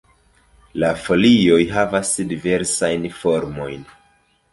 La folioj havas diversajn formojn.